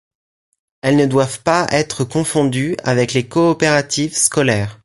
Elles ne doivent pas être confondues avec les coopératives scolaires.